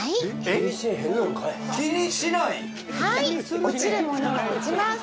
はい！